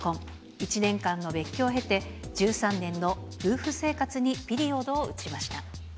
１年間の別居を経て、１３年の夫婦生活にピリオドを打ちました。